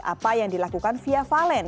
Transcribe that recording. apa yang dilakukan fia valen